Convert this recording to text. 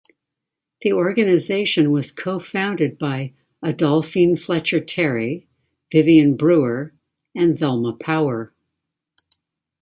The organization was co-founded by Adolphine Fletcher Terry, Vivion Brewer, and Velma Powell.